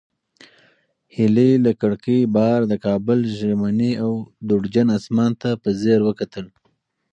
هیلې له کړکۍ بهر د کابل ژمني او دوړجن اسمان ته په ځیر وکتل.